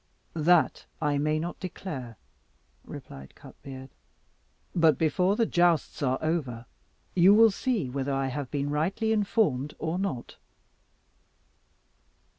"That I may not declare," replied Cutbeard; "but before the jousts are over you will see whether I have been rightly informed or not."